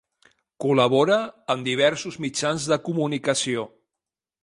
Col·labora en diversos mitjans de comunicació.